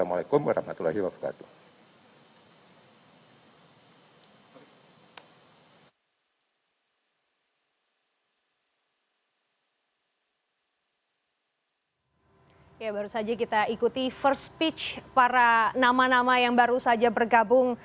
ya baru saja kita ikuti first pitch para nama nama yang baru saja bergabung